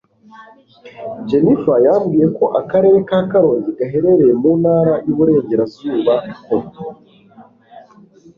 jennifer yambwiye ko akarere ka karongi gaherereye mu ntara y'iburengerazuba, ko